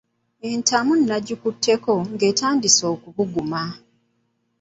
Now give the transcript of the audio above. Entamu nagikutteko ng’etandise okubuguma.